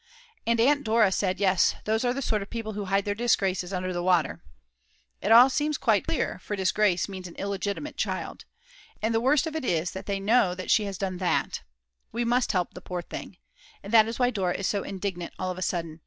And Aunt Dora said: "Yes, those are the sort of people who hide their disgrace under the water." It seems quite clear, for disgrace means an illegitimate child. And the worst of it is, that they know that she has done that. We must help the poor thing. And that is why Dora is so indignant all of a sudden.